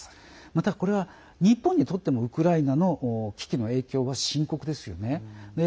また、これは日本にとってもウクライナの危機の影響は深刻ですよね。